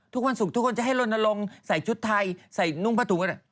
ทุกวันศุกร์ทุกคนจะให้ลนลงใส่ชุดไทยใส่นุ่งผ้าถุงก็ได้